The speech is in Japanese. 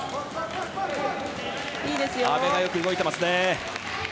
阿部がよく動いていますね。